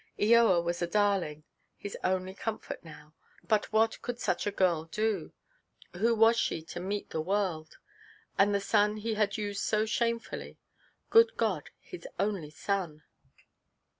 Eoa was a darling, his only comfort now; but what could such a girl do? Who was she to meet the world? And the son he had used so shamefully. Good God, his only son!